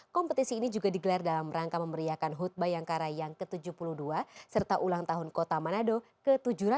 kompetisi ini juga digelar dalam rangka memeriahkan hutba yang karayang ke tujuh puluh dua serta ulang tahun kota manado ke tujuh ratus enam puluh lima